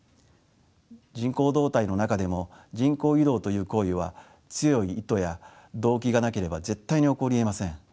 人口動態の中でも人口移動という行為は強い意図や動機がなければ絶対に起こりえません。